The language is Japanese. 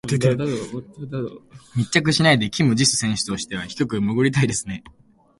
密着しないでキム・ジス選手としては低く潜りたいですね。